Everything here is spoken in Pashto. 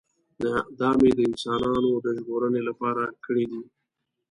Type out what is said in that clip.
دا مې د انسانانو د ژغورنې لپاره کړی دی.